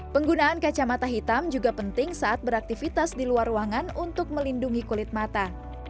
penggunaan kacamata hitam juga penting saat beraktivitas di luar ruangan untuk melindungi kulit mata